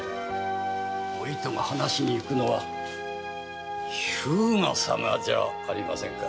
お糸が話に行くのは日向様じゃありませんか。